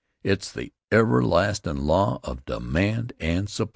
It's the everlastin' law of demand and supply.